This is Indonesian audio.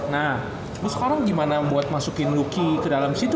nah terus sekarang gimana buat masukin luki ke dalam situ